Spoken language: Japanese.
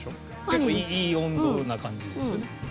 結構いい温度な感じですよね？